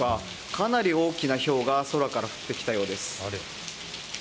かなり大きなひょうが空から降ってきたようです。